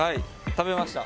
食べました。